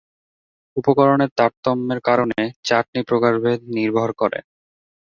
উপকরণের তারতম্যের কারণে চাটনি প্রকারভেদ নির্ভর করে।